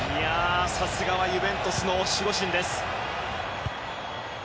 さすがはユベントスの守護神。